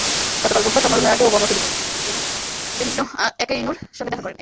গতকাল বুধবার সম্মেলনের আগে ওবামা ফিলিপাইনের প্রেসিডেন্ট বেনিগনো অ্যাকুইনোর সঙ্গে দেখা করেন।